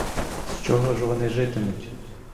З чого ж вони житимуть?